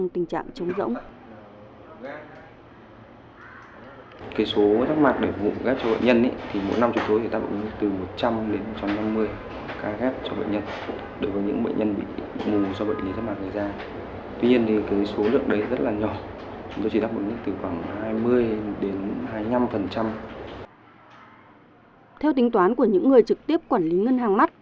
theo tính toán của những người trực tiếp quản lý ngân hàng mắt